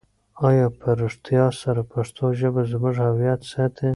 آیا په رښتیا سره پښتو ژبه زموږ هویت ساتي؟